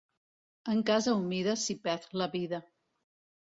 En casa humida s'hi perd la vida.